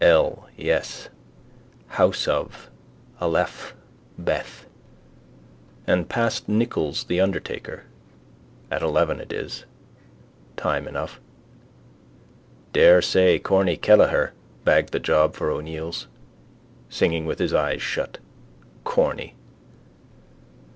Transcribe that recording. El, yes: house of: Aleph, Beth. And past Nichols' the undertaker. At eleven it is. Time enough. Daresay Corny Kelleher bagged the job for O'Neill's. Singing with his eyes shut. Corny.